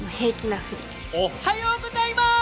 おっはようございます！